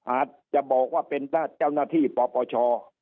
อาจจะบอกว่าเป็นเจ้าหน้าที่ปปช